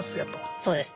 そうですね。